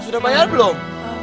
sudah bayar belum